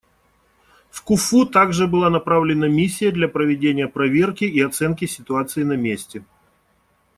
В Куффу также была направлена миссия для проведения проверки и оценки ситуации на месте.